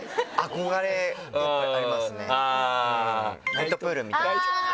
ナイトプールみたいな。